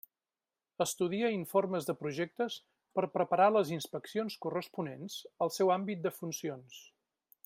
Estudia informes de projectes per preparar les inspeccions corresponents al seu àmbit de funcions.